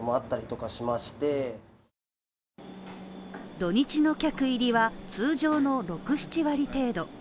土日の客入りは通常の六、七割程度。